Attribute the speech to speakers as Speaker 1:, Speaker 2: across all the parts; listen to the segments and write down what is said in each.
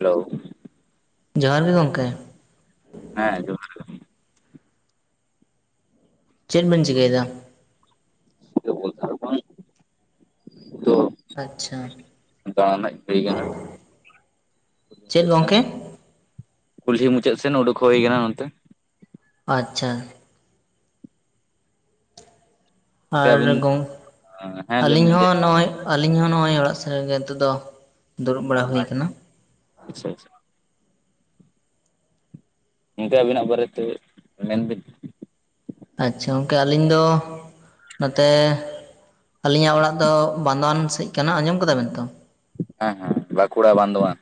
Speaker 1: Hello.
Speaker 2: ᱡᱚᱦᱟᱨ ᱜᱤ ᱜᱚᱝᱠᱮ᱾
Speaker 1: ᱦᱮᱸ ᱟᱡᱚᱢ
Speaker 2: ᱪᱮᱫ ᱵᱮᱱ ᱪᱤᱠᱟᱹᱭᱮᱫᱟ?
Speaker 1: [unintelligible] ᱛᱚ
Speaker 2: ᱟᱪᱪᱷᱟ
Speaker 1: ᱫᱟᱬᱟᱱᱟᱱᱜ ᱞᱟᱹᱭ ᱠᱟᱱᱟ
Speaker 2: ᱪᱮᱫ
Speaker 1: ᱪᱮᱜ ᱥᱮᱱ
Speaker 2: ᱜᱚᱢᱠᱮ
Speaker 1: ᱠᱩᱞᱦᱤ ᱢᱩᱪᱟᱹᱜ ᱥᱮᱱ ᱩᱰᱩᱠᱽ ᱦᱩᱭ ᱠᱟᱱᱟ ᱚᱱᱛᱮ᱾
Speaker 2: ᱟᱪᱪᱷᱟ ᱟᱨ
Speaker 1: ᱟᱹᱵᱤᱱ
Speaker 2: ᱜᱚᱝ
Speaker 1: ᱦᱮᱸ ᱞᱟᱹᱭ
Speaker 2: ᱟᱹᱞᱤᱧ ᱦᱚᱸ
Speaker 1: ᱢᱮᱱᱫᱟᱹᱧ
Speaker 2: ᱱᱚᱜᱚᱭ ᱟᱞᱤᱧ ᱦᱚᱸ ᱱᱚᱜᱚᱭ ᱚᱲᱟᱜ ᱥᱮᱜ ᱨᱮᱜᱮ ᱱᱤᱛᱚᱜᱫᱚ ᱫᱩᱲᱩᱵ ᱵᱟᱲᱟ ᱦᱩᱭ ᱟᱠᱟᱱᱟ᱾
Speaker 1: ᱟᱪᱪᱷᱟ ᱟᱪᱪᱷᱟ᱾ ᱜᱚᱝᱠᱮ ᱟᱵᱤᱱᱟᱜ ᱵᱟᱨᱮᱛᱮ ᱢᱮᱱᱵᱤᱱ᱾
Speaker 2: ᱟᱪᱪᱷᱟ ᱜᱚᱝᱠᱮ ᱟᱹᱞᱤᱧ ᱫᱚ ᱱᱚᱛᱮ ᱟᱹᱞᱤᱧᱟᱜ ᱚᱲᱟᱜ ᱫᱚ ᱵᱟᱸᱫᱣᱟᱱ ᱥᱮᱜ ᱠᱟᱱᱟ ᱟᱸᱡᱚᱢ ᱠᱟᱫᱟ ᱵᱮᱱ ᱛᱚ?
Speaker 1: ᱦᱮᱸ ᱦᱮᱸ ᱵᱟᱸᱠᱩᱲᱟ ᱵᱟᱫᱚᱣᱟᱱ᱾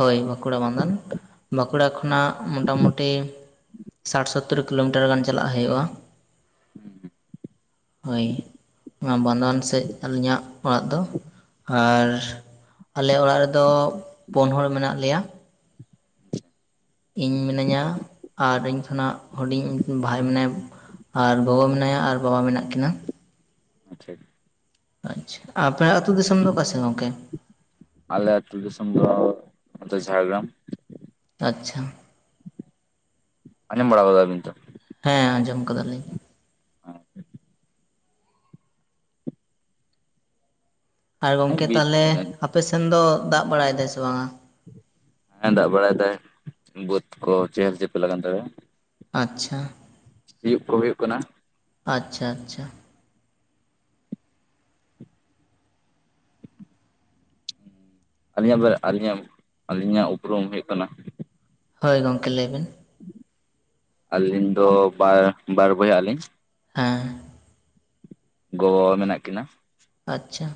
Speaker 2: ᱦᱳᱭ ᱵᱟᱸᱠᱩᱲᱟ ᱵᱟᱫᱟᱱ ᱵᱟᱸᱠᱩᱲᱟ ᱠᱷᱚᱱᱟᱜ ᱢᱚᱴᱟᱢᱩᱴᱤ ᱥᱟᱹᱴ ᱥᱳᱛᱚ ᱛᱳᱨ ᱠᱤᱞᱳᱢᱤᱴᱟᱨ ᱜᱟᱱ ᱪᱟᱞᱟᱜ ᱦᱩᱭᱩᱜ-ᱟ᱾
Speaker 1: [inaudible]
Speaker 2: ᱦᱳᱭ ᱱᱚᱣᱟ ᱵᱸᱟᱱᱫᱚᱣᱟᱱ ᱥᱮᱫ ᱟᱹᱞᱤᱧᱟᱜ ᱚᱲᱟᱜ ᱫᱚ᱾ ᱟᱨ ᱟᱞᱮ ᱚᱲᱟᱜ ᱨᱮᱫᱚ ᱯᱩᱸᱱ ᱦᱚᱲ ᱢᱮᱱᱟᱹᱜ ᱞᱮᱭᱟ᱾ ᱤᱸᱧ ᱢᱤᱱᱟᱹᱧᱟ ᱟᱨ ᱤᱧ ᱠᱷᱚᱱᱟᱜ ᱦᱩᱰᱤᱧ ᱵᱷᱟᱭ ᱢᱮᱱᱟᱭ᱾ ᱟᱨ ᱜᱚᱜᱚ ᱢᱮᱱᱟᱭᱟ ᱟᱨ ᱵᱟᱵᱟ ᱢᱮᱱᱟᱜ ᱠᱤᱱᱟ᱾
Speaker 1: ᱟᱪᱪᱷᱟ ᱾
Speaker 2: ᱟᱪᱪᱷᱟ ᱟᱯᱮ ᱟᱹᱛᱩ ᱫᱤᱥᱚᱢ ᱫᱚ ᱚᱠᱟᱥᱮ ᱜᱚᱢᱠᱮ᱾
Speaker 1: ᱟᱞᱮ ᱟᱹᱛᱩ ᱫᱤᱥᱚᱢ ᱫᱚ ᱱᱚᱛᱮ ᱡᱷᱟᱲᱜᱨᱟᱢ᱾
Speaker 2: ᱟᱪᱪᱷᱟ᱾
Speaker 1: ᱟᱸᱡᱚᱢ ᱵᱟᱲᱟ ᱜᱚᱫᱟᱵᱤᱱ᱾
Speaker 2: ᱦᱮᱸᱻ ᱟᱸᱡᱚᱢ ᱠᱟᱫᱟᱞᱤᱧ, ᱟᱨ
Speaker 1: ᱦᱮᱸ
Speaker 2: ᱜᱚᱝᱠᱮ
Speaker 1: ᱵᱤᱨ
Speaker 2: ᱛᱟᱦᱚᱞᱮ ᱟᱯᱮ ᱥᱮᱱ ᱫᱚ ᱫᱟᱜ ᱵᱟᱲᱟᱭ ᱫᱟᱭ ᱥᱮ ᱵᱟᱝᱼᱟ,
Speaker 1: ᱦᱮᱸ ᱫᱟᱜ ᱵᱟᱲᱟᱭ ᱫᱟᱭ ᱵᱟᱹᱫᱽ ᱠᱚ ᱪᱮᱦᱮᱞ ᱪᱮᱯᱮᱞ ᱞᱟᱜ ᱟᱱ ᱛᱟᱞᱮᱭᱟ,
Speaker 2: ᱟᱪᱪᱷᱟ,
Speaker 1: ᱥᱤᱭᱩᱜ ᱠᱚ ᱦᱩᱭᱩᱜ ᱠᱟᱱᱟ,
Speaker 2: ᱟᱪᱪᱷᱟ, ᱟᱪᱪᱷᱟ,
Speaker 1: ᱟᱹᱞᱤᱧᱟᱜ ᱵᱟ ᱟᱹᱞᱤᱧᱟᱜ, ᱟᱹᱞᱤᱧᱟᱜ ᱩᱯᱨᱩᱢ ᱦᱩᱭᱩᱜ ᱠᱟᱱᱟ᱾
Speaker 2: ᱦᱳᱭ ᱜᱚᱢᱠᱮ ᱞᱟᱹᱭ ᱵᱤᱱ,
Speaker 1: ᱟᱹᱞᱤᱧ ᱫᱚ ᱵᱟᱼᱵᱟᱨ ᱵᱚᱭᱦᱟᱜ ᱞᱤᱧ,
Speaker 2: ᱦᱮᱸ᱾
Speaker 1: ᱜᱚ ᱵᱟᱵᱟ ᱢᱮᱱᱟᱜ ᱠᱤᱱᱟ᱾
Speaker 2: ᱟᱪᱪᱷᱟ᱾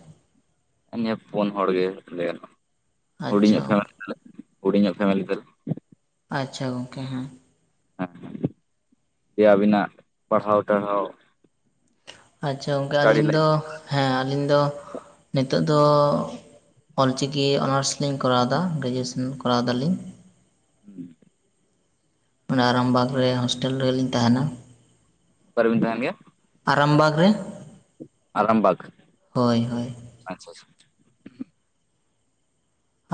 Speaker 1: ᱤᱱᱮ ᱯᱩᱱ ᱦᱚᱲ ᱜᱮ ᱞᱟᱹᱭ ᱜᱟᱱ
Speaker 2: ᱟᱪᱪᱷᱟ
Speaker 1: ᱦᱩᱰᱤᱧᱟᱜ ᱯᱷᱮᱢᱮᱞᱤ ᱛᱟᱞᱮ ᱦᱩᱰᱤᱧᱟᱜ ᱯᱷᱮᱢᱮᱞᱤ ᱛᱟᱞᱮ,
Speaker 2: ᱟᱪᱪᱷᱟ, ᱜᱚᱝᱠᱮ ᱦᱮᱸ᱾
Speaker 1: ᱦᱮᱸ ᱡᱮ ᱟᱵᱤᱱᱟᱜ ᱯᱟᱲᱦᱟᱣ ᱴᱟᱲᱦᱟᱣ᱾
Speaker 2: ᱟᱪᱪᱷᱟ, ᱜᱚᱢᱠᱮ
Speaker 1: ᱥᱴᱟᱰᱤ
Speaker 2: ᱟᱹᱞᱤᱧ ᱫᱚ᱾
Speaker 1: ᱞᱟᱭᱤᱯ
Speaker 2: ᱦᱮᱸ ᱟᱹᱞᱤᱧ ᱫᱚ ᱱᱤᱛᱚᱜ ᱫᱚ ᱚᱞᱼᱪᱤᱠᱤ ᱚᱱᱟᱨᱥ᱾ ᱞᱤᱧ ᱠᱚᱨᱟᱣᱮᱫᱟ ᱜᱨᱮᱡᱩᱭᱮᱥᱚᱱ ᱠᱚᱨᱟᱣ ᱫᱟᱞᱤᱧ᱾
Speaker 1: ᱦᱩᱸ᱾
Speaker 2: ᱚᱱᱟ ᱟᱨᱟᱢᱵᱟᱜᱽ ᱨᱮ ᱦᱚᱳᱥᱴᱮᱞ ᱨᱮ ᱞᱤᱧ ᱛᱟᱦᱮᱱᱟ᱾
Speaker 1: ᱚᱠᱟᱨᱮᱵᱤᱱ ᱛᱟᱦᱮᱱ ᱜᱮᱭᱟ᱾
Speaker 2: ᱟᱨᱟᱢᱵᱟᱜᱽ ᱨᱮ᱾
Speaker 1: ᱟᱨᱟᱢᱵᱟᱜ
Speaker 2: ᱦᱳᱭ ᱦᱳᱭ
Speaker 1: ᱟᱪᱪᱷᱟ, ᱟᱪᱪᱷᱟ,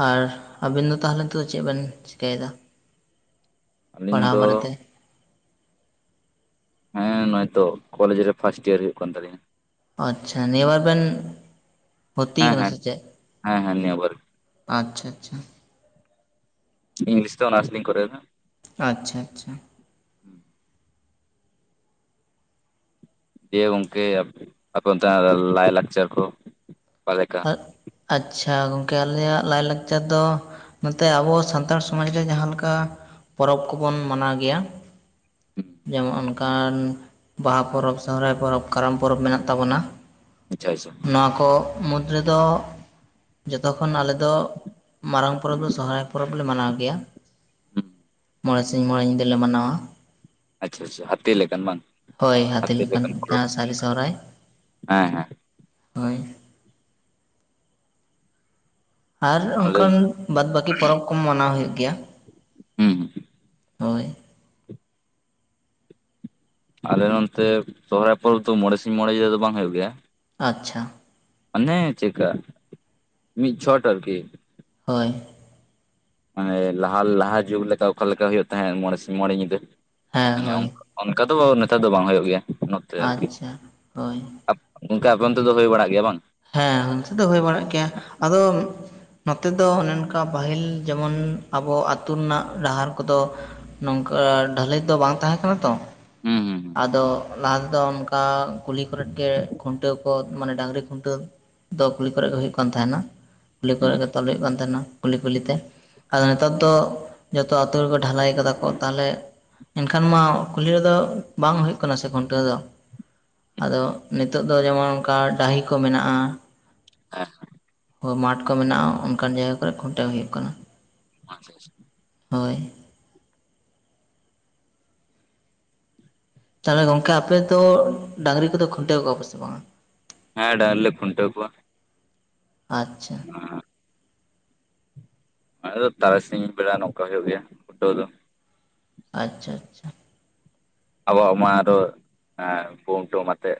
Speaker 2: ᱟᱨ ᱟᱵᱤᱱ ᱫᱚ ᱛᱟᱦᱚᱞᱮ ᱧᱤᱛᱳᱜ ᱫᱚ ᱪᱮᱫ ᱵᱮᱱ ᱪᱤᱠᱟᱹᱭᱮᱫᱟ᱾
Speaker 1: ᱟᱹᱞᱤᱧ
Speaker 2: ᱯᱟᱲᱦᱟᱣ
Speaker 1: ᱫᱚ᱾
Speaker 2: ᱵᱟᱨᱮᱛᱮ
Speaker 1: ᱦᱮᱸ ᱱᱚᱭ ᱛᱚ ᱠᱚᱞᱮᱡ ᱨᱮ ᱯᱷᱟᱥᱴ ᱤᱭᱟᱨ ᱦᱩᱭᱩᱜ ᱠᱟᱱ ᱛᱟᱞᱤᱧᱟ᱾
Speaker 2: ᱟᱪᱪᱷᱟ ᱱᱤᱭᱟᱹᱵᱟᱨ ᱵᱮᱱ ᱵᱷᱩᱨᱛᱤ
Speaker 1: ᱦᱮᱸ
Speaker 2: ᱠᱟᱱᱟ
Speaker 1: ᱦᱮᱸ
Speaker 2: ᱥᱮ ᱪᱮᱫ᱾
Speaker 1: ᱦᱮᱸ ᱦᱮᱸ ᱱᱤᱭᱟᱹ ᱵᱟᱨ
Speaker 2: ᱟᱪᱪᱷᱟ, ᱟᱪᱪᱷᱟ,
Speaker 1: ᱤᱝᱞᱤᱥ ᱛᱮ ᱚᱱᱟᱨᱥ ᱞᱤᱧ ᱠᱚᱨᱮᱣ ᱫᱟ᱾
Speaker 2: ᱟᱪᱪᱷᱟ, ᱟᱪᱪᱷᱟ,
Speaker 1: ᱦᱩᱸ᱾ ᱫᱤᱭᱮ ᱜᱚᱢᱠᱮ ᱟᱯᱮ ᱚᱱᱛᱮᱼᱱᱟᱜ ᱞᱟᱭ ᱞᱟᱠᱪᱟᱨ ᱠᱚ ᱟᱠᱟ ᱞᱮᱠᱟ᱾
Speaker 2: ᱟᱪᱪᱷᱟ ᱟᱪᱪᱷᱟ, ᱜᱚᱢᱠᱮ ᱟᱞᱮᱭᱼᱟᱜ ᱞᱟᱭᱼᱞᱟᱠᱪᱟᱨ ᱫᱚ᱾ ᱱᱚᱛᱮ ᱟᱵᱚ ᱥᱟᱱᱛᱟᱲ ᱥᱚᱢᱟᱡᱽ ᱨᱮ ᱡᱟᱦᱟᱸ ᱞᱮᱠᱟ ᱯᱚᱨᱚᱵᱽ ᱠᱚᱵᱚᱱ ᱢᱟᱱᱟᱣ ᱜᱮᱭᱟ᱾ ᱡᱮᱢᱚᱱ ᱚᱱᱠᱟᱱ ᱵᱟᱦᱟ ᱯᱚᱨᱚᱵᱽ, ᱥᱚᱦᱨᱟᱭ ᱯᱚᱨᱚᱵᱽ, ᱠᱟᱨᱟᱢ ᱯᱚᱨᱚᱵᱽ ᱢᱮᱱᱟᱜ ᱛᱟᱵᱚᱱᱟ᱾
Speaker 1: ᱟᱪᱪᱷᱟ ᱟᱪᱪᱷᱟ᱾
Speaker 2: ᱱᱚᱣᱟ ᱠᱚ ᱢᱩᱫᱽ ᱨᱮ ᱫᱚ ᱡᱚᱛᱚ ᱠᱷᱚᱱ ᱟᱞᱮ ᱫᱚ ᱢᱟᱨᱟᱝ ᱯᱚᱨᱚᱵᱽ ᱫᱚ ᱥᱚᱦᱚᱨᱟᱭ ᱯᱚᱨᱚᱵᱽ ᱞᱮ ᱢᱟᱱᱟᱣ ᱜᱮᱭᱟ ᱾
Speaker 1: ᱦᱩᱸ
Speaker 2: ᱢᱚᱬᱮ ᱥᱤᱧ ᱢᱚᱬᱮ ᱧᱤᱫᱟᱹ ᱞᱮ ᱢᱟᱱᱟᱣᱟ ᱾
Speaker 1: ᱟᱪᱪᱷᱟ ᱟᱪᱪᱷᱟ ᱦᱟᱹᱛᱤ ᱞᱮᱠᱟᱱ ᱵᱟᱝ
Speaker 2: ᱦᱳᱭ ᱦᱟᱹᱛᱤ ᱞᱮᱠᱟᱱ ᱡᱟᱦᱟᱸ ᱥᱟᱹᱨᱤ ᱥᱚᱨᱦᱟᱭ ᱾
Speaker 1: ᱦᱮᱸᱻ ᱦᱮᱸ ᱾
Speaker 2: ᱦᱚᱭ ᱾ ᱟᱨ ᱚᱱᱠᱟᱱ
Speaker 1: ᱟᱞᱮ
Speaker 2: ᱵᱟᱫᱽ ᱵᱟᱹᱠᱤ ᱯᱚᱨᱚᱵᱽ ᱠᱩ ᱢᱟᱱᱟᱣ ᱦᱩᱭᱩᱜ ᱜᱮᱭᱟ ᱾
Speaker 1: ᱦᱩᱸ᱾
Speaker 2: ᱦᱳᱭ ᱾
Speaker 1: ᱟᱞᱮ ᱱᱚᱱᱛᱮ ᱥᱚᱦᱚᱨᱟᱭ ᱯᱚᱨᱚᱵᱽ ᱫᱚ ᱢᱚᱬᱮ ᱥᱤᱧ ᱢᱚᱬᱮ ᱧᱤᱫᱟᱹ ᱫᱚ ᱵᱟᱝ ᱦᱩᱭᱩᱜ ᱜᱮᱭᱟ ᱾
Speaker 2: ᱟᱪᱪᱷᱟ ᱾
Speaker 1: ᱚᱱᱮ ᱪᱮᱜ ᱠᱟ ᱢᱤᱫ ᱪᱷᱚᱴ ᱟᱨ ᱠᱤ ᱾
Speaker 2: ᱦᱳᱭ ᱾
Speaker 1: ᱢᱟᱱᱮ ᱞᱟᱦᱟ ᱞᱟᱦᱟ ᱡᱩᱜᱽ ᱞᱮᱠᱟ ᱚᱠᱟ ᱞᱮᱠᱟ ᱦᱩᱭᱩᱜ ᱛᱟᱦᱮᱸᱜ ᱢᱚᱬᱮ ᱥᱤᱧ ᱢᱚᱬᱮ ᱧᱤᱫᱟᱹ
Speaker 2: ᱦᱮᱸ
Speaker 1: ᱢᱟᱱᱮ
Speaker 2: ᱦᱳᱭ
Speaker 1: ᱚᱝᱠᱟ ᱾ ᱚᱱᱠᱟ ᱫᱚ ᱱᱮᱛᱟᱨ ᱫᱚ ᱵᱟᱝ ᱦᱩᱭᱩᱜ ᱜᱮᱭᱟ ᱱᱚᱛ
Speaker 2: ᱟᱪᱪᱷᱟ ᱦᱳᱭ ᱾
Speaker 1: ᱜᱚᱝᱠᱮ ᱟᱯᱮ ᱚᱱᱛᱮ ᱫᱚ ᱦᱩᱭ ᱵᱟᱲᱟᱜ ᱜᱮᱭᱟ ᱵᱟᱝ?
Speaker 2: ᱦᱮᱸ ᱱᱚᱛᱮ ᱫᱚ ᱦᱩᱭ ᱵᱟᱲᱟᱜ ᱜᱮᱭᱟ ᱟᱫᱚᱼᱼ ᱱᱚᱛᱮ ᱫᱚ ᱚᱱᱮ ᱚᱱᱠᱟ ᱯᱟᱹᱦᱤᱞ ᱡᱮᱢᱚᱱ ᱟᱵᱚ ᱟᱹᱛᱩ ᱨᱮᱱᱟᱜ ᱰᱟᱦᱟᱨ ᱠᱚᱫᱚ ᱱᱚᱝᱠᱟ ᱰᱷᱟᱹᱞᱟᱹᱭ ᱫᱚ ᱵᱟᱝ ᱛᱟᱦᱮᱸ ᱠᱟᱱᱟ ᱛᱚ ᱾
Speaker 1: ᱦᱩᱸ ᱦᱩᱸ ᱾
Speaker 2: ᱟᱫᱚ ᱞᱟᱦᱟ ᱛᱮᱫᱚ ᱚᱱᱠᱟ ᱠᱩᱞᱦᱤ ᱠᱚᱨᱮᱫ ᱜᱮ ᱠᱷᱩᱱᱴᱟᱹᱣ ᱠᱚᱫ ᱢᱟᱱᱮ ᱰᱟᱹᱝᱨᱤ ᱠᱷᱩᱱᱴᱟᱹᱣ ᱫᱚ ᱠᱩᱞᱦᱤ ᱠᱚᱨᱮ ᱜᱮ ᱦᱩᱭᱩᱜ ᱠᱟᱱ ᱛᱟᱦᱮᱸᱱᱟ ᱠᱩᱞᱦᱤ ᱠᱚᱨᱮ
Speaker 1: ᱦᱩᱸ
Speaker 2: ᱜᱮ ᱛᱚᱞ ᱦᱩᱭᱩᱜ ᱠᱟᱱ ᱛᱟᱦᱮᱱᱟ ᱾ ᱠᱩᱞᱦᱤ ᱠᱩᱞᱦᱤ ᱛᱮ ᱟᱫᱚ ᱱᱮᱛᱟᱨ ᱫᱚ ᱡᱚᱛᱚ ᱟᱹᱛᱩ ᱨᱮᱠᱚ ᱰᱷᱟᱞᱟᱭ ᱠᱟᱫᱟ ᱠᱚ ᱛᱟᱦᱚᱞᱮ ᱮᱱᱠᱷᱟᱱ ᱢᱟ ᱠᱩᱞᱦᱤ ᱨᱮᱫᱚ ᱵᱟᱝ ᱦᱩᱭᱩᱜ ᱠᱟᱱᱟ ᱥᱮ ᱠᱷᱩᱱᱴᱟᱹᱣ ᱫᱚ ᱾ ᱟᱫᱚ ᱱᱤᱛᱚᱜ ᱫᱚ ᱡᱮᱢᱚᱱ ᱚᱱᱠᱟ ᱰᱟᱹᱦᱤ ᱠᱚ ᱢᱮᱱᱟᱜ-ᱟ ᱾
Speaker 1: ᱮ ᱦᱟᱸᱜ᱾
Speaker 2: ᱚ ᱢᱟᱴᱷ ᱠᱚ ᱢᱮᱱᱟᱜ-ᱟ ᱚᱱᱠᱟᱱ ᱡᱟᱭᱜᱟ ᱠᱚᱨᱮ ᱠᱷᱩᱱᱴᱟᱹᱣ ᱦᱩᱭᱩᱜ ᱠᱟᱱᱟ ᱾
Speaker 1: ᱟᱪᱷᱟ ᱟᱪᱷᱟ᱾
Speaker 2: ᱦᱳᱭ᱾ ᱛᱟᱦᱚᱞᱮ ᱜᱚᱝᱠᱮ ᱟᱯᱮ ᱫᱚ ᱰᱟᱝᱨᱤ ᱠᱚᱫᱚ ᱠᱷᱩᱱᱴᱟᱹᱣ ᱠᱚᱣᱟ ᱯᱮ ᱥᱮ ᱵᱟᱝᱟ?
Speaker 1: ᱦᱮᱸ ᱰᱟᱝᱨᱤ‌ ᱞᱮ ᱠᱷᱩᱱᱴᱟᱹᱣ ᱠᱚᱣᱟ ᱾
Speaker 2: ᱟᱪᱪᱷᱟ ᱾
Speaker 1: ᱟᱸᱻ ᱟᱫᱚ ᱛᱟᱨᱟᱥᱤᱧ ᱵᱮᱲᱟ ᱱᱚᱝᱠᱟ ᱦᱩᱭᱩᱜ ᱜᱮᱭᱟ ᱠᱷᱩᱱᱴᱟᱹᱣ ᱫᱚ ᱾
Speaker 2: ᱟᱪᱪᱷᱟ ᱟᱪᱪᱷᱟ ᱾
Speaker 1: ᱟᱵᱚᱣᱟᱜ ᱢᱟ ᱫᱚ ᱟᱨᱦᱚᱸ ᱮᱸ ᱠᱩᱢᱴᱟᱹᱣ ᱟᱛᱮᱜ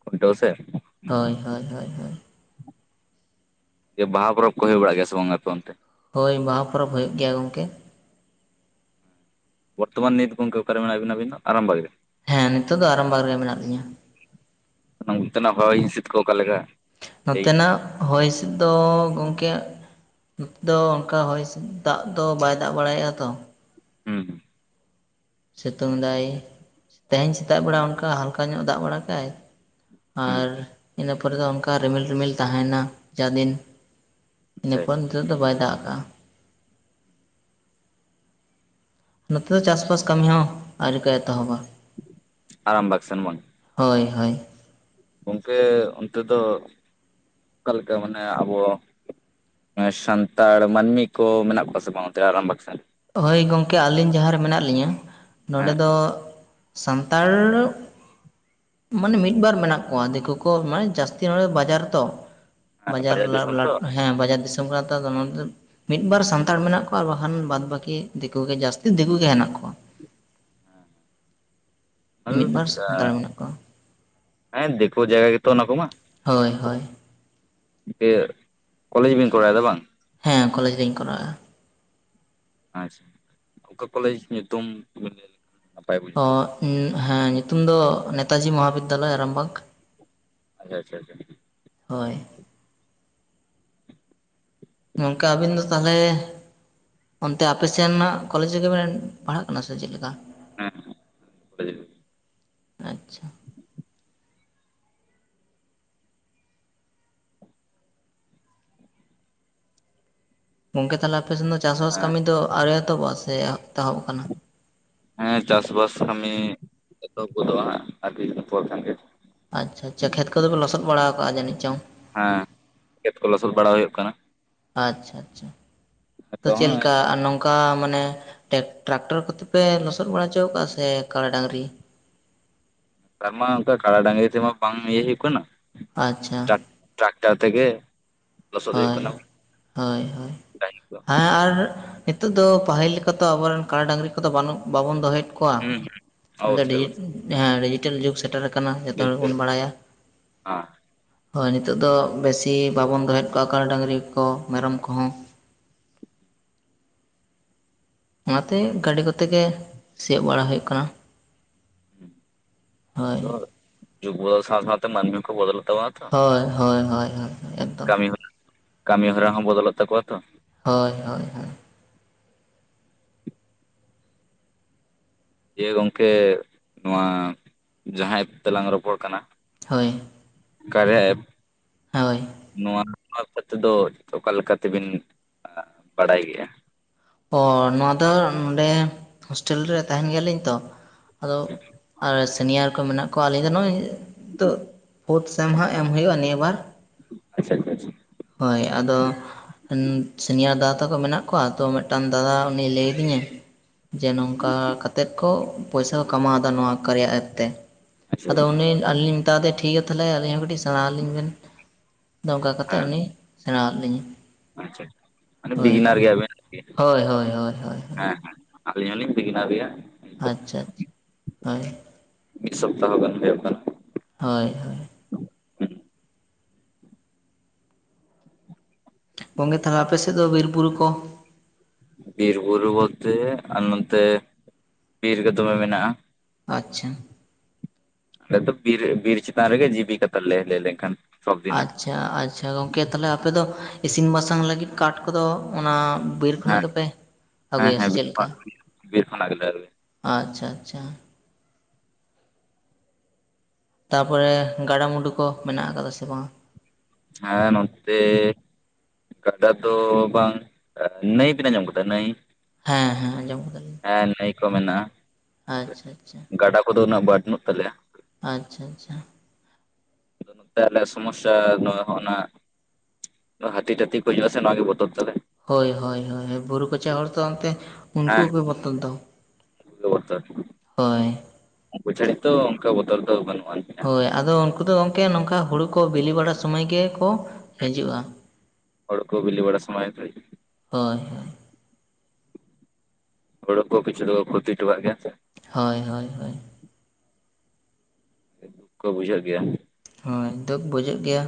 Speaker 1: ᱠᱷᱩᱱᱴᱟᱹᱣ ᱥᱮ ᱾
Speaker 2: ᱦᱳᱭ ᱦᱳᱭ ᱦᱳᱭ ᱦᱳᱭ ᱾
Speaker 1: ᱡᱮ ᱵᱟᱦᱟ ᱯᱚᱨᱚᱵᱽ ᱠᱚ ᱦᱳᱭ ᱵᱟᱲᱟᱜ ᱜᱮᱭᱟ ᱥᱮ ᱵᱟᱝᱟ ᱟᱯᱮ ᱚᱱᱛᱮ?
Speaker 2: ᱦᱳᱭ ᱵᱟᱦᱟ ᱯᱚᱨᱚᱵᱽ ᱦᱩᱭᱩᱜ ᱜᱮᱭᱟ ᱜᱚᱝᱠᱮ ᱾
Speaker 1: ᱵᱚᱨᱛᱚᱢᱟᱱ ᱱᱤᱛ ᱜᱚᱝᱠᱮ ᱚᱠᱟ ᱨᱮ ᱢᱮᱱᱟᱜ ᱵᱤᱱᱟ ᱟᱹᱵᱤᱱ ᱫᱚ ᱟᱨᱟᱢ ᱵᱟᱣᱤ‌ ᱨᱮ ᱾
Speaker 2: ᱦᱮᱸ ᱱᱤᱛᱚᱜ ᱫᱚ ᱟᱨᱟᱢ ᱵᱟᱨ ᱨᱮᱜᱮ ᱢᱮᱱᱟᱜ ᱞᱤᱧᱟ ᱾
Speaker 1: ᱚᱱᱛᱮᱱᱟᱜ ᱦᱚᱭ ᱦᱤᱥᱤᱫ ᱠᱚ ᱚᱠᱟ‌ ᱠᱮᱠᱟ‌?
Speaker 2: ᱱᱚᱛᱮ ᱱᱟᱜ ᱦᱚᱭ ᱦᱤᱸᱥᱤᱫ ᱫᱚ ᱜᱚᱝᱠᱮ ᱱᱚᱛᱮ ᱫᱚ ᱚᱱᱠᱟ ᱦᱚᱭ ᱦᱤᱥᱤᱫ ᱫᱟᱜ ᱫᱚ ᱵᱟᱭ ᱫᱟᱜ ᱵᱟᱲᱟᱭᱮᱜ-ᱟ ᱛᱚ ᱾
Speaker 1: ᱦᱩᱸ ᱦᱩᱸ᱾
Speaker 2: ᱥᱤᱛᱩᱝ ᱫᱟᱭ ᱛᱮᱦᱮᱧ ᱥᱮᱛᱟᱜ ᱵᱮᱲᱟ ᱚᱱᱠᱟ ᱦᱟᱞᱠᱟ ᱧᱚᱜ ᱫᱟᱜ ᱵᱟᱲᱟ ᱠᱮᱜ-ᱟᱭ᱾
Speaker 1: ᱦᱩᱸ
Speaker 2: ᱟᱨ ᱤᱱᱟᱹ ᱯᱚᱨᱮ ᱫᱚ ᱚᱱᱠᱟ ᱨᱤᱢᱤᱞ ᱨᱤᱢᱤᱞ ᱛᱟᱦᱮᱸ ᱱᱟ ᱡᱟ ᱫᱤᱱ᱾ ᱤᱱᱟᱹ
Speaker 1: ᱟᱪᱪᱷᱟ
Speaker 2: ᱯᱚᱨ
Speaker 1: ᱟᱪᱪᱷᱟ
Speaker 2: ᱱᱤᱛᱚᱜ ᱫᱚ ᱵᱟᱭ ᱫᱟᱜ ᱟᱠᱟᱜ-ᱟ᱾ ᱱᱚᱛᱮ ᱫᱚ ᱪᱟᱥᱼᱵᱟᱥ ᱠᱟᱢᱤ ᱦᱚᱸ ᱟᱣᱨᱤ ᱠᱚ ᱮᱛᱚᱦᱚᱵᱟ᱾
Speaker 1: ᱟᱨᱟᱢ ᱵᱟᱠ ᱥᱮᱱ ᱵᱟᱝ?
Speaker 2: ᱦᱳᱭ ᱦᱳᱭ᱾
Speaker 1: ᱜᱚᱝᱠᱮ ᱚᱱᱛᱮ ᱫᱚ ᱚᱠᱟ ᱞᱮᱠᱟ ᱢᱟᱱᱮ ᱟᱵᱚᱼᱼ ᱱᱮ ᱥᱟᱱᱛᱟᱲ ᱢᱟᱹᱱᱢᱤ ᱠᱚ ᱢᱮᱱᱟᱜ ᱠᱚᱣᱟ ᱥᱮ ᱵᱟᱝ ᱚᱱᱛᱮ‌ ᱟᱨᱟᱢᱵᱟᱠ ᱥᱮᱱ?
Speaker 2: ᱦᱳᱭ ᱜᱚᱝᱠᱮ ᱟᱞᱤᱧ ᱡᱟᱦᱟᱸ ᱨᱮ ᱢᱮᱱᱟᱜ ᱞᱤᱧᱟᱹ ᱱᱚᱸᱰᱮ
Speaker 1: ᱦᱮᱸ
Speaker 2: ᱫᱚ ᱥᱟᱱᱛᱟᱲ᱾ ᱢᱟᱱᱮ ᱢᱤᱫ ᱵᱟᱨ ᱢᱮᱱᱟᱜ ᱠᱚᱣᱟ ᱫᱮᱠᱳ ᱠᱚ ᱢᱟᱱᱮ ᱡᱟᱥᱛᱤ ᱱᱚᱸᱰᱮ ᱵᱟᱡᱟᱨ ᱨᱮ ᱛᱚ᱾
Speaker 1: ᱦᱮᱸ
Speaker 2: ᱵᱟᱡᱟᱨ ᱞᱟ
Speaker 1: ᱫᱤᱥᱚᱢ ᱛᱚ
Speaker 2: ᱵᱟᱵᱼᱞᱟᱴ‌‌ ᱮᱸᱦ᱾ ᱦᱮᱸ ᱵᱟᱡᱟᱨ ᱫᱤᱥᱚᱢ ᱠᱟᱱᱟᱨᱮ ᱛᱚ ᱢᱤᱫ ᱵᱟᱨ ᱥᱟᱱᱛᱟᱲ ᱢᱮᱱᱟᱜ ᱠᱚᱣᱟ ᱵᱟᱠᱷᱟᱱ ᱵᱟᱫ ᱵᱟᱠᱤ᱾ ᱫᱤᱠᱩ ᱜᱮ ᱡᱟᱹᱥᱛᱤ ᱫᱤᱠᱩ ᱜᱮ ᱦᱮᱱᱟᱜ ᱠᱚᱣᱟ᱾
Speaker 1: ᱦᱮᱸ
Speaker 2: ᱢᱤᱫ ᱵᱟᱨ ᱥᱟᱱᱛᱟᱲ ᱢᱮᱱᱟᱜ ᱠᱚᱣᱟ
Speaker 1: [inaudible] ᱦᱮᱸ ᱫᱮᱠᱳ ᱡᱟᱭᱜᱟ ᱜᱮᱛᱚ ᱚᱱᱟ ᱠᱚᱢᱟ᱾
Speaker 2: ᱦᱳᱭ ᱦᱳᱭ᱾
Speaker 1: ᱤᱭᱟᱹ ᱠᱚᱞᱮᱡᱽ ᱵᱤᱱ ᱠᱚᱨᱟᱣᱮᱫᱟ ᱵᱟᱝ,
Speaker 2: ᱦᱮᱸ ᱠᱚᱞᱮᱡᱽ ᱞᱤᱧ ᱠᱚᱨᱟᱣ ᱮᱜ-ᱟ᱾
Speaker 1: ᱟᱪᱪᱷᱟ ᱚᱠᱟ ᱠᱚᱞᱮᱡᱽ ᱧᱩᱛᱩᱢ ᱵᱤᱱ ᱞᱟᱹᱭ ᱞᱮᱠᱷᱟᱱ ᱱᱟᱯᱟᱭ᱾ ᱵᱩᱡᱽ
Speaker 2: ᱚ
Speaker 1: ᱠᱚᱜᱼᱟ
Speaker 2: ᱦᱮᱸ ᱧᱩᱛᱩᱢ ᱫᱚ ᱱᱮᱛᱟᱡᱤ ᱢᱚᱦᱟ ᱵᱤᱫᱽᱫᱟᱞᱚᱭ ᱟᱨᱟᱢᱵᱟᱜᱽ᱾
Speaker 1: ᱟᱪᱷᱟ ᱟᱪᱷᱟ ᱟᱪᱷᱟ,
Speaker 2: ᱦᱳᱭ, ᱜᱚᱝᱠᱮ ᱟᱵᱤᱱ ᱫᱚ ᱛᱟᱦᱚᱞᱮ, ᱚᱱᱛᱮ ᱟᱯᱮ ᱥᱮᱱᱱᱟᱜ ᱠᱚᱞᱮᱡᱽ ᱨᱮᱜᱮ ᱯᱮ ᱯᱟᱲᱦᱟᱜ ᱠᱟᱱᱟ ᱥᱮ ᱪᱮᱫ ᱞᱮᱠᱟ,
Speaker 1: ᱦᱮᱸ [inaudible]
Speaker 2: ᱟᱪᱪᱷᱟ᱾ ᱜᱚᱢᱠᱮ ᱛᱟᱦᱚᱞᱮ ᱟᱯᱮᱥᱮᱫ ᱫᱚ ᱪᱟᱥᱵᱟᱥ ᱠᱟᱹᱢᱤ ᱫᱚ ᱟᱨ ᱮᱛᱚᱦᱚᱵᱚᱜ ᱥᱮ ᱮᱛᱚᱦᱚᱵ ᱟᱠᱟᱱᱟ᱾
Speaker 1: ᱦᱮᱸ ᱪᱟᱥᱵᱟᱥ ᱠᱟᱹᱢᱤ ᱮᱛᱚᱛᱦᱚᱵ ᱜᱚᱫᱚᱜ ᱟ ᱦᱟᱸᱜ ᱟᱨ ᱠᱤᱪᱷᱩ ᱫᱤᱱ ᱯᱚᱨ ᱜᱮ᱾
Speaker 2: ᱟᱪᱪᱷᱟ ᱟᱪᱪᱷᱟ ᱠᱷᱮᱛ ᱠᱚᱫᱚᱯᱮ ᱞᱚᱥᱚᱫ ᱵᱟᱲᱟ ᱠᱟᱜᱼᱟ ᱡᱟᱹᱱᱤᱡ ᱪᱚᱝ᱾
Speaker 1: ᱦᱮᱸ ᱠᱷᱮᱛ ᱠᱚ ᱞᱚᱥᱚᱫ ᱵᱟᱲᱟ ᱦᱩᱭᱩᱜ ᱠᱟᱱᱟ
Speaker 2: ᱟᱪᱪᱷᱟ ᱟᱪᱪᱷᱟ ᱛᱚ
Speaker 1: ᱱᱤᱛᱚᱜ
Speaker 2: ᱪᱮᱫ
Speaker 1: ᱦᱚᱸ
Speaker 2: ᱞᱮᱠᱟ ᱱᱚᱝᱠᱟ᱾ ᱚᱱᱠᱟ ᱢᱟᱱᱮ ᱴᱨᱟᱠᱴᱚᱨ ᱠᱚᱛᱮ ᱯᱮ ᱞᱚᱥᱚᱫ ᱵᱟᱲᱟ ᱚᱪᱚᱣ ᱟᱠᱟᱟᱜᱼᱟ ᱥᱮ ᱠᱟᱲᱟ ᱰᱟᱝᱨᱤ,
Speaker 1: ᱛᱟᱨᱢᱟ ᱚᱱᱠᱟ ᱠᱟᱲᱟ ᱰᱟᱝᱨᱤ ᱛᱮᱢᱟ ᱵᱟᱝ ᱤᱭᱟᱹ ᱦᱩᱭᱩᱜ ᱠᱟᱱᱟ᱾
Speaker 2: ᱟᱪᱪᱷᱟ᱾
Speaker 1: ᱴᱨᱟᱠ ᱴᱨᱟᱠᱴᱟᱨ ᱛᱮᱜᱮ᱾ ᱞᱚᱥᱚᱫ ᱦᱩᱭᱩᱜ
Speaker 2: ᱦᱳᱭ
Speaker 1: ᱠᱟᱱᱟ
Speaker 2: ᱦᱳᱭ ᱦᱳᱭ
Speaker 1: ᱰᱟᱹᱦᱤ ᱠᱚ
Speaker 2: ᱦᱮᱸ ᱟᱨ᱾ ᱱᱤᱛᱚᱜ ᱫᱚ ᱯᱟᱹᱦᱤᱞ ᱞᱮᱠᱟᱛ ᱟᱵᱚᱨᱮᱱ ᱠᱟᱲᱟ ᱰᱟᱝᱝᱨᱤ ᱠᱚᱫᱚ ᱵᱟᱹᱱᱩᱜ ᱵᱟᱵᱚᱱ ᱫᱚᱦᱚᱭᱮᱫ᱾ ᱠᱚᱣᱟ
Speaker 1: ᱦᱩᱸ
Speaker 2: ᱟᱫᱚ
Speaker 1: ᱚᱵᱚᱥᱥᱳᱭ
Speaker 2: ᱰᱤᱦᱤᱫ᱾
Speaker 1: ᱚᱵᱚᱥᱥᱳᱭ
Speaker 2: ᱡᱟᱦᱟᱸ ᱰᱤᱡᱤᱴᱮᱞ ᱡᱩᱜᱽ ᱥᱮᱴᱮᱨ ᱟᱠᱟᱱᱟ ᱡᱚᱛᱚ ᱦᱚᱲ ᱜᱮᱵᱚᱱ ᱵᱟᱲᱟᱭᱟ᱾ ᱦᱳᱭ ᱱᱤᱛᱚᱜ ᱫᱚ ᱵᱮᱥᱤ ᱵᱟᱵᱚᱱ ᱫᱚᱦᱮᱫ ᱠᱚᱣᱟ ᱠᱟᱱᱟ ᱰᱟᱹᱝᱨᱤ ᱠᱚ ᱢᱮᱨᱚᱢ ᱠᱚᱦᱚᱸ᱾ ᱚᱱᱟᱛᱮ ᱜᱟᱹᱰᱤ ᱠᱚᱛᱮ ᱜᱮ ᱥᱤᱭᱳᱚᱜ ᱵᱟᱲᱟ ᱦᱩᱭᱩᱜ ᱠᱟᱱᱟ᱾ ᱦᱳᱭ
Speaker 1: ᱡᱩᱜᱽ ᱵᱚᱫᱚᱞ ᱥᱟᱶ ᱥᱟᱶᱛᱮ ᱢᱟᱹᱱᱢᱤ ᱠᱚ ᱵᱚᱫᱚᱞᱜ ᱛᱟᱵᱚᱱᱟ ᱛᱚ᱾
Speaker 2: ᱦᱚᱭ ᱦᱚᱭ ᱦᱚᱭ ᱦᱚᱭ᱾
Speaker 1: ᱠᱟᱹᱢᱤ ᱦᱚᱨᱟ ᱠᱟᱹᱢᱤ ᱦᱚᱨᱟ ᱦᱚᱸ ᱵᱚᱫᱚᱞᱚᱜ ᱛᱟᱠᱚᱣᱟ ᱛᱚ᱾
Speaker 2: ᱦᱳᱭ ᱦᱳᱭ ᱦᱳᱭ,
Speaker 1: ᱡᱮ ᱜᱚᱨᱠᱮ ᱱᱚᱣᱟ ᱡᱟᱦᱟᱸᱭ ᱛᱮᱞᱟᱝ ᱨᱚᱯᱚᱲ ᱠᱟᱱᱟ
Speaker 2: ᱦᱳᱭ
Speaker 1: ᱠᱟᱨᱭᱟ ᱮᱯ,
Speaker 2: ᱦᱳᱭ
Speaker 1: ᱱᱚᱣᱟ ᱱᱚᱣᱟ ᱯᱚᱛᱮ ᱫᱚ ᱚᱠᱟ ᱞᱮᱠᱟ ᱛᱮᱵᱤᱱ ᱵᱟᱲᱟᱭ ᱜᱮᱭᱟ?
Speaker 2: ᱚᱸᱻ ᱱᱚᱣᱟ ᱫᱚ ᱱᱚᱰᱮ ᱦᱳᱥᱴᱮᱞ ᱨᱮ ᱛᱟᱦᱮᱱ ᱜᱮᱭᱟᱞᱤᱧ ᱛᱚ ᱟᱫᱚ
Speaker 1: ᱟᱪᱪᱷᱟ
Speaker 2: ᱟᱨ ᱥᱤᱱᱤᱭᱟᱨ ᱠᱚ ᱢᱮᱱᱟᱜ ᱠᱚᱣᱟ ᱟᱹᱞᱤᱧ ᱫᱚ ᱱᱚᱜ-ᱚᱭ ᱛᱳᱜ ᱯᱷᱳᱨᱛᱷ ᱥᱮᱢ ᱦᱟᱸᱜ ᱮᱢ ᱦᱩᱭᱩᱜ-ᱟ ᱱᱤᱭᱟᱹ ᱵᱟᱨ
Speaker 1: ᱟᱪᱪᱷᱟ ᱟᱪᱪᱷᱟ ᱟᱪᱷᱟ᱾
Speaker 2: ᱦᱳᱭ ᱟᱫᱚ ᱥᱤᱱᱤᱭᱟᱨ ᱫᱟᱫᱟ ᱛᱟᱠᱚ ᱢᱮᱱᱟᱜ ᱠᱚᱣᱟ ᱛᱚ ᱢᱮᱫᱴᱟᱝ ᱫᱟᱫᱟ ᱩᱱᱤ ᱞᱟᱹᱭ ᱫᱤᱧᱟᱹ᱾ ᱡᱮ ᱱᱚᱝᱠᱟ ᱠᱟᱛᱮᱫ ᱠᱚ ᱯᱚᱭᱥᱟ ᱠᱚ ᱠᱟᱢᱟᱣ ᱫᱟ ᱱᱚᱣᱟ ᱠᱟᱨᱭᱟ ᱮᱯ ᱛᱮ᱾
Speaker 1: ᱟᱪᱪᱷᱟ ᱟᱪᱪᱷᱟ ᱟᱪᱪᱷᱟ
Speaker 2: ᱟᱫᱚ ᱩᱱᱤ ᱟᱹᱞᱤᱧ ᱞᱤᱧ ᱢᱮᱛᱟᱣ ᱫᱮᱭᱟ ᱴᱷᱤᱠ ᱜᱮᱭᱟ ᱛᱟᱦᱞᱮ ᱟᱹᱞᱤᱧ ᱦᱚᱸ ᱠᱟᱹᱴᱤᱡ ᱥᱮᱬᱟᱣ ᱟᱹᱞᱤᱧ ᱵᱮᱱ, ᱫᱚ ᱚᱝᱠᱟ ᱠᱟᱛᱮᱜ
Speaker 1: ᱦᱮᱸ
Speaker 2: ᱩᱱᱤ ᱥᱮᱬᱟᱣ ᱟᱜ ᱞᱤᱧᱟᱹ
Speaker 1: ᱟᱪᱪᱷᱟ ᱟᱪᱪᱷᱟ ᱢᱟᱱᱮ
Speaker 2: ᱦᱳᱭᱱᱟ
Speaker 1: ᱵᱤᱜᱤᱱᱟᱨ
Speaker 2: ᱦᱳᱭ ᱦᱳᱭ ᱦᱳᱭ ᱦᱳᱭ᱾
Speaker 1: ᱟᱞᱤᱧ ᱦᱚᱞᱤᱧ ᱵᱤᱜᱤᱱᱟᱨ ᱜᱮᱭᱟ᱾ ᱱᱤᱛᱚᱜ
Speaker 2: ᱟᱪᱪᱷᱟ ᱟᱪ ᱦᱳᱭ᱾
Speaker 1: ᱢᱤᱫ ᱥᱚᱯᱛᱟᱦᱚ ᱷᱟᱱ ᱦᱳᱭᱳᱜ ᱠᱟᱱᱟ᱾
Speaker 2: ᱦᱳᱭ ᱦᱳᱭ᱾ ᱜᱚᱝᱜᱮ ᱛᱟᱦᱞᱮ ᱟᱯᱮᱥᱮᱫ ᱫᱚ ᱵᱤᱨ ᱵᱩᱨᱩ ᱠᱚ
Speaker 1: ᱵᱤᱨ ᱵᱩᱨᱩ ᱵᱳᱞᱛᱮ ᱟᱨ ᱱᱚᱛᱮ ᱵᱤᱨ ᱜᱮ ᱫᱚᱢᱮ ᱢᱮᱱᱟᱜ-ᱟ᱾
Speaker 2: ᱟᱪᱪᱷᱟ᱾
Speaker 1: ᱟᱞᱮ ᱫᱚ ᱵᱤᱨ, ᱵᱤᱨ ᱪᱮᱛᱟᱱ ᱨᱮᱜᱮ ᱡᱤᱵᱤᱠᱟ ᱛᱟᱞᱮ ᱞᱟᱹᱭ ᱞᱮᱝᱠᱷᱟᱱ᱾
Speaker 2: ᱟᱪᱷᱟ, ᱟᱪᱷᱟ ᱜᱚᱝᱠᱮ ᱛᱟᱞᱦᱮ ᱟᱯᱮᱫᱚ ᱤᱥᱤᱱ ᱵᱟᱥᱟᱝ ᱞᱟᱹᱜᱤᱫ ᱠᱟᱴ ᱠᱚᱫᱚ ᱚᱱᱟ ᱵᱤᱨ ᱠᱷᱚᱱᱟᱜ
Speaker 1: ᱦᱮᱸ
Speaker 2: ᱜᱮᱯᱮ
Speaker 1: ᱦᱮᱸ
Speaker 2: ᱟᱹᱜᱩᱭᱟ
Speaker 1: ᱦᱮᱸ
Speaker 2: ᱥᱮ
Speaker 1: ᱵᱤᱨ
Speaker 2: ᱪᱮᱫ ᱞᱮᱠᱟ?
Speaker 1: ᱠᱷᱚᱱᱟᱜ ᱵᱤᱨ ᱠᱷᱚᱱᱟᱜ ᱜᱮᱞᱮ ᱟᱹᱜᱩᱭᱟ᱾
Speaker 2: ᱟᱪᱪᱷᱟ ᱟᱪᱷᱟ᱾ ᱛᱟᱯᱚᱨᱮ ᱜᱟᱰᱟᱢᱩᱰᱩ ᱠᱚ ᱢᱮᱱᱟᱜ ᱟᱠᱟᱫᱟ ᱥᱮ ᱵᱟᱝ?
Speaker 1: ᱦᱮᱸ ᱱᱚᱸᱛᱮᱻ ᱜᱟᱰᱟ ᱫᱚ ᱵᱟᱝ ᱱᱟᱹᱭ ᱵᱮᱱ ᱟᱧᱡᱚᱢ ᱠᱟᱫᱟ ᱱᱟᱹᱭ?
Speaker 2: ᱦᱮᱸ ᱦᱮᱸ ᱟᱸᱡᱚᱢ ᱠᱟᱫᱟᱞᱤᱧ᱾
Speaker 1: ᱦᱮᱸ ᱱᱟᱹᱭ ᱠᱚ ᱢᱮᱱᱟᱜ-ᱟ,
Speaker 2: ᱟᱪᱪᱷᱟ ᱟᱪᱪᱷᱟ
Speaker 1: ᱜᱟᱰᱟ ᱠᱚᱫᱚ ᱩᱱᱟᱹᱜ ᱵᱟᱹᱱᱩᱜ ᱛᱟᱞᱮᱭᱟ᱾
Speaker 2: ᱟᱪᱪᱷᱟ ᱟᱪᱷᱟ᱾
Speaker 1: ᱟᱫᱚ ᱱᱚᱛᱮ ᱟᱞᱮᱭᱟᱜ ᱥᱚᱢᱚᱥᱟ ᱱᱚᱣᱟ ᱦᱚᱸᱜ ᱱᱟ ᱱᱚ ᱦᱟᱹᱛᱤ ᱴᱟᱹᱛᱤ ᱠᱩ ᱦᱤᱡᱩᱜ-ᱟ ᱥᱮ ᱱᱚᱣᱟ ᱜᱮ ᱵᱚᱛᱚᱨ ᱛᱟᱞᱮ᱾
Speaker 2: ᱦᱳᱭ ᱦᱳᱭ ᱦᱳᱭ ᱦᱮ ᱵᱩᱨᱩ ᱠᱚᱪᱟ ᱦᱚᱲ ᱫᱚ ᱚᱱᱛᱮ ᱩᱱᱠᱩᱜᱮ ᱵᱚᱛᱚᱨ ᱫᱚ᱾
Speaker 1: ᱩᱝᱠᱩ ᱜᱮ ᱵᱚᱛᱚᱨ
Speaker 2: ᱦᱳᱭ᱾
Speaker 1: ᱩᱱᱠᱩ ᱪᱷᱟᱹᱲᱤ ᱛᱚ ᱚᱱᱠᱟ ᱵᱚᱛᱚᱨ ᱫᱚ ᱵᱟᱹᱱᱩᱜ ᱟᱱᱤ᱾
Speaker 2: ᱦᱳᱭ ᱟᱫᱚ ᱩᱱᱠᱩ ᱫᱚ ᱜᱚᱝᱠᱮ ᱱᱚᱝᱠᱟ ᱦᱩᱲᱩ ᱠᱚ ᱵᱤᱞᱤ ᱵᱟᱲᱟ ᱥᱚᱢᱚᱭ ᱜᱮ ᱠᱚ
Speaker 1: ᱦᱩ ᱦᱳᱲᱳ ᱠᱚ ᱵᱤᱞᱤ ᱵᱟᱲᱟ ᱥᱚᱢᱚᱭ ᱜᱮᱠᱚ ᱦᱤᱡᱩᱜ-ᱟ᱾
Speaker 2: ᱦᱳᱭ ᱦᱳ
Speaker 1: ᱦᱳᱲᱳ ᱠᱚ ᱠᱤᱪᱷᱩ ᱫᱚᱠᱚ ᱠᱷᱩᱛᱤ ᱴᱚᱠᱟᱜ ᱜᱮᱭᱟ ᱦᱸ ᱥᱮ᱾
Speaker 2: ᱦᱚᱭ ᱦᱳᱭ ᱦᱳᱭ᱾
Speaker 1: ᱫᱩᱠ ᱠᱚ ᱵᱩᱡᱷᱟᱹᱜ ᱜᱮᱭᱟ᱾
Speaker 2: ᱦᱳᱭ ᱫᱩᱠ ᱵᱩᱡᱷᱟᱹᱜ ᱜᱮᱭᱟ᱾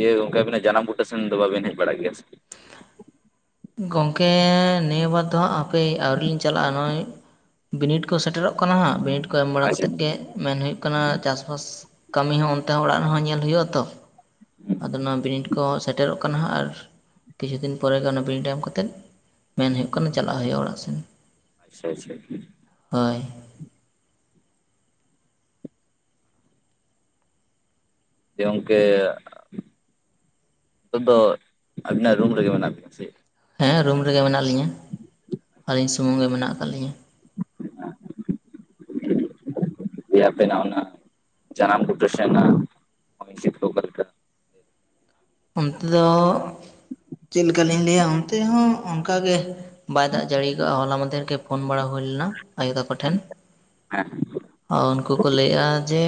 Speaker 1: ᱮᱭᱟᱹ ᱜᱚᱝᱠᱮ ᱟᱵᱮᱱᱟᱜ ᱡᱟᱱᱟᱢ ᱵᱩᱴᱟᱹ ᱥᱮᱱ ᱫᱚ ᱵᱟᱵᱮᱱ ᱦᱮᱡ ᱵᱟᱲᱟ ᱜᱮᱭᱟ ᱥᱮ?
Speaker 2: ᱜᱚᱝᱠᱮᱻ ᱱᱤᱭᱟᱹ ᱵᱟᱨ ᱫᱚᱦᱟᱸᱜ ᱦᱟᱯᱮ ᱟᱹᱣᱨᱤ ᱞᱤᱧ ᱪᱟᱞᱟᱜᱼᱟ᱾ ᱱᱚᱜᱼᱚᱭ ᱵᱤᱱᱤᱰ ᱠᱚ ᱥᱮᱴᱮᱨᱚᱜ ᱠᱟᱱᱟ ᱦᱟᱸᱜ ᱵᱤᱱᱤᱰ ᱠᱚ ᱮᱢ ᱵᱟᱲᱟ
Speaker 1: ᱟᱪᱪᱷᱟ
Speaker 2: ᱠᱟᱛᱮᱫ ᱜᱮ ᱢᱮᱱ ᱦᱩᱭᱩᱜ ᱠᱟᱱᱟ᱾ ᱪᱟᱥ ᱵᱟᱥ ᱠᱟᱹᱢᱤ ᱦᱚᱸ ᱚᱱᱛᱮ ᱦᱚᱸ ᱚᱲᱟᱜ ᱨᱮᱦᱚᱸ ᱧᱮᱞ ᱦᱩᱭᱩᱜᱼᱟ ᱛᱚ᱾ ᱟᱫᱚ ᱚᱱᱟ ᱵᱤᱱᱤᱰ ᱠᱚᱦᱚᱸ ᱥᱮᱴᱮᱨᱚᱜ ᱠᱟᱱᱟ ᱦᱟᱸᱜ ᱟᱨ ᱠᱤᱪᱷᱩ ᱫᱤᱱ ᱯᱚᱨᱮ ᱜᱮ ᱚᱱᱮ ᱵᱤᱱᱤᱰ ᱮᱢ ᱠᱟᱛᱮᱜ ᱢᱮᱱ ᱦᱩᱭᱩᱜ ᱠᱟᱱᱟ ᱪᱟᱞᱟᱜ ᱦᱩᱭᱩᱜᱼᱟ ᱚᱲᱟᱜ ᱥᱮᱱ᱾
Speaker 1: ᱟᱪᱷᱟ ᱟᱪᱷᱟ᱾
Speaker 2: ᱦᱳᱭ᱾
Speaker 1: ᱡᱮ ᱜᱚᱝᱠᱮ ᱱᱤᱛᱚᱜ ᱫᱚ ᱟᱵᱤᱱᱟᱜ ᱨᱩᱢ ᱨᱮᱜᱮ ᱢᱮᱱᱟᱜ ᱵᱤᱱᱟ ᱥᱮ?
Speaker 2: ᱦᱮᱸ ᱨᱩᱢ ᱨᱮᱜᱮ ᱢᱮᱱᱟᱜ ᱞᱤᱧᱟᱹ ᱟᱹᱞᱤᱧ ᱥᱩᱢᱩᱝ ᱜᱮ ᱢᱮᱱᱟᱜ ᱟᱠᱟᱜ ᱞᱤᱧᱟᱹ᱾ [unintelligible]
Speaker 1: ᱯᱮᱭᱟ ᱵᱮᱱᱟᱣᱮᱱᱟ᱾ ᱡᱟᱱᱟᱢ ᱵᱩᱴᱟᱹ ᱥᱮᱱᱟᱜ [inaudible]
Speaker 2: ᱚᱱᱛᱮ ᱫᱚ ᱪᱮᱫ ᱞᱮᱠᱟᱞᱤᱧ ᱞᱟᱹᱭᱟ? ᱚᱱᱛᱮ ᱦᱚᱸ ᱚᱱᱠᱟᱜᱮ᱾ ᱵᱟᱭ ᱫᱟᱜ ᱡᱟᱹᱲᱤᱭᱟ ᱠᱟᱜᱼᱟ, ᱦᱚᱞᱟ ᱢᱟᱫᱽᱦᱮᱨ ᱜᱮ ᱯᱷᱳᱱ ᱵᱟᱲᱟ ᱦᱩᱭ ᱞᱮᱱᱟ ᱟᱭᱳ ᱛᱟᱠᱚ ᱴᱷᱮᱱ᱾
Speaker 1: ᱦᱮᱸ
Speaker 2: ᱟᱨ ᱩᱱᱠᱩ ᱠᱚ ᱞᱟᱹᱭᱮᱜᱼᱟ ᱡᱮ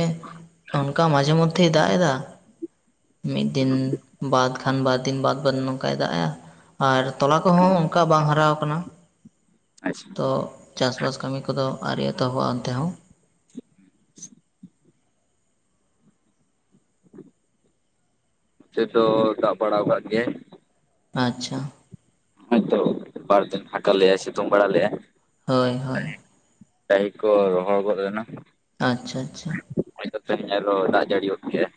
Speaker 2: ᱚᱱᱠᱟ ᱢᱟᱡᱷᱮ ᱢᱚᱫᱽᱫᱷᱮᱭ ᱫᱟᱜ ᱮᱫᱟ᱾ ᱢᱤᱫ ᱫᱤᱱ ᱵᱟᱫᱽ ᱠᱷᱟᱱ ᱵᱟᱨ ᱫᱤᱱ ᱵᱟᱫᱽ ᱵᱟᱫᱽ ᱱᱚᱝᱠᱟᱭ ᱫᱟᱜᱼᱮ-ᱟ᱾ ᱟᱨ ᱛᱚᱞᱟ ᱠᱚᱦᱚᱸ ᱚᱱᱠᱟ ᱵᱟᱝ ᱦᱟᱨᱟ ᱟᱠᱟᱱᱟ᱾
Speaker 1: ᱟᱪᱷᱟ᱾
Speaker 2: ᱛᱚ ᱪᱟᱥ ᱵᱟᱥ ᱠᱟᱹᱢᱤ ᱠᱚᱫᱚ ᱟᱹᱣᱨᱤ ᱮᱛᱚᱦᱚᱵᱚᱜᱼᱟ ᱚᱱᱛᱮ ᱦᱚᱸ᱾
Speaker 1: ᱪᱮ ᱫᱚ ᱫᱟᱜ ᱵᱟᱲᱟᱣ ᱠᱟᱜ ᱜᱮᱭᱟ᱾
Speaker 2: ᱟᱪᱪᱷᱟ᱾
Speaker 1: ᱦᱳᱣ ᱛᱚ ᱵᱟᱨᱫᱤᱱ ᱯᱷᱟᱠᱟ ᱞᱮᱜ-ᱟᱭ ᱥᱤᱛᱩᱢ ᱵᱟᱲᱟ ᱞᱮᱜ-ᱟᱭ᱾
Speaker 2: ᱦᱳᱭ ᱦᱳᱭ᱾
Speaker 1: ᱰᱟᱹᱦᱤ ᱠᱚ ᱨᱚᱦᱚᱲ ᱜᱚᱫ ᱞᱮᱱᱟ᱾
Speaker 2: ᱟᱪᱪᱷᱟ ᱟᱪᱪᱷᱟ᱾
Speaker 1: ᱟᱫᱚ ᱫᱟᱜ ᱡᱟᱹᱲᱤ ᱜᱚᱫ ᱠᱮᱜᱟ᱾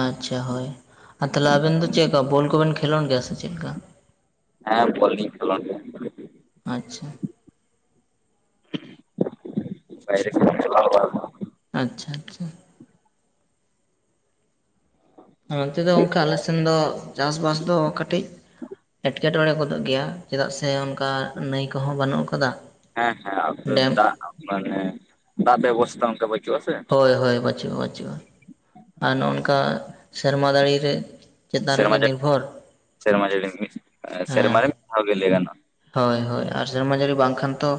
Speaker 2: ᱟᱪᱪᱷᱟ ᱦᱳᱭ ᱟᱨ ᱛᱟᱦᱚᱞᱮ ᱟᱵᱮᱱ ᱫᱚ ᱪᱮᱫ ᱞᱮᱠᱟ ᱵᱚᱞ ᱠᱚᱵᱮᱱ ᱠᱷᱮᱞᱳᱰ ᱜᱮᱭᱟ ᱥᱮ ᱪᱮᱫ ᱞᱮᱠᱟ?
Speaker 1: ᱦᱮᱸ ᱵᱚᱞ ᱞᱤᱧ ᱠᱷᱮᱞᱳ ᱜᱮᱭᱟ᱾
Speaker 2: ᱟᱪᱪᱷᱟ᱾
Speaker 1: [unintelligible]
Speaker 2: ᱟᱪᱪᱷᱟ ᱾ ᱱᱚᱱᱛᱮ ᱫᱚ ᱚᱱᱠᱟ ᱟᱞᱮ ᱥᱮᱱ ᱫᱚ ᱪᱟᱥ ᱵᱟᱥ ᱫᱚ ᱠᱟᱹᱴᱤᱡᱼᱼ ᱮᱸᱴᱠᱮᱴᱚᱸᱬᱮ ᱜᱚᱫᱚᱜ ᱜᱮᱭᱟ ᱪᱮᱫᱟᱜ ᱥᱮ? ᱥᱮ ᱚᱱᱠᱟ ᱱᱟᱹᱭ ᱠᱚᱦᱚᱸ ᱵᱟᱹᱱᱩᱜ ᱠᱟᱫᱟ
Speaker 1: ᱦᱮᱸ ᱦᱮᱸ ᱟᱯᱮ
Speaker 2: ᱰᱮᱢᱼᱼ
Speaker 1: ᱫᱟᱜ ᱢᱟᱱᱮ ᱫᱟᱜ ᱵᱮᱵᱚᱥᱛᱷᱟ ᱚᱱᱠᱟ ᱵᱟᱹᱪᱩᱜᱼᱟ ᱥᱮ᱾
Speaker 2: ᱦᱳᱭ ᱦᱳᱭ ᱵᱟᱹᱪᱩᱜᱼᱟ ᱵᱟᱹᱪᱩᱜᱼᱟ ᱟᱨ ᱱᱚᱜᱼᱚ ᱱᱝᱠᱟ ᱥᱮᱨᱢᱟ ᱡᱟᱲᱤ ᱨᱮᱼᱼ
Speaker 1: ᱥᱮᱢᱟ ᱡᱟᱹᱲᱤ ᱥᱮᱢᱟ ᱡᱟᱹᱲᱤ
Speaker 2: ᱦᱮᱸ
Speaker 1: ᱥᱮᱢᱟ ᱨᱮᱜᱮ ᱞᱟᱹᱭ ᱜᱟᱱᱚᱜᱼᱟ᱾
Speaker 2: ᱦᱳᱭ ᱦᱳᱭ ᱟᱨ ᱥᱮᱨᱢᱟ ᱡᱟᱹᱲᱤ ᱵᱟᱝᱠᱷᱟᱱ ᱛᱚᱼᱼ